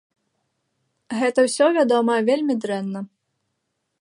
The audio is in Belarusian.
Гэта ўсё, вядома, вельмі дрэнна.